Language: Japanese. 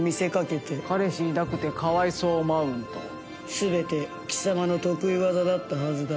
全て貴様の得意技だったはずだ。